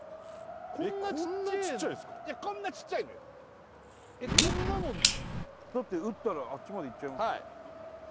こんなちっちゃいのよえっこんなのだって打ったらあっちまでいっちゃいますよ